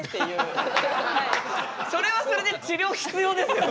それはそれで治りょう必要ですよね。